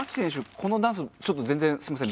このダンスちょっと全然すいません